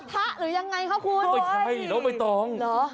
อีกน๊ายล้างหูกระทะหรือยังไงคะคุณ